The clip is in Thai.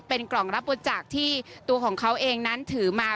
เป็นกล่องรับบริจาคที่ตัวของเขาเองนั้นถือมา